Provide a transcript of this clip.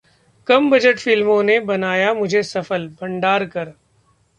कम budget फिल्मों ने बनाया मुझे सफल: भंडारकर